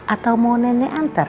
atau mau nenek antar